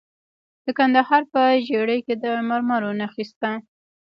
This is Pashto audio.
د کندهار په ژیړۍ کې د مرمرو نښې شته.